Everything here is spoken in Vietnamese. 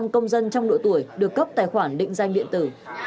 ba mươi công dân trong độ tuổi được cấp tài khoản định danh điện tử